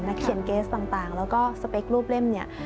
เขียนเกสต่างแล้วก็สเปครูปเล่มเนี่ย